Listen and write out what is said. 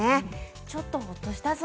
ちょっとほっとしたぞ。